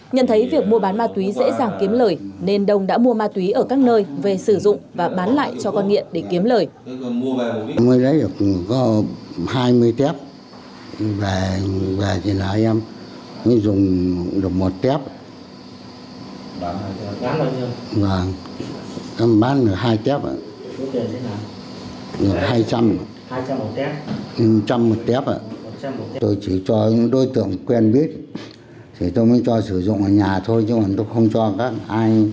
nhận thấy việc mua bán ma túy dễ dàng kiếm lời nên đông đã mua ma túy ở các nơi về sử dụng và bán lại cho con nghiện để kiếm lời